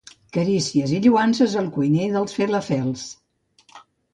Carícies i lloances al cuiner dels felafels.